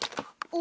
お？